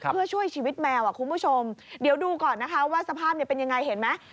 เพื่อช่วยชีวิตแมวเดี๋ยวดูก่อนว่าสภาพเป็นอย่างไรเห็นไหม